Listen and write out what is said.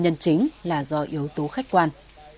đó là do yếu tố thách quan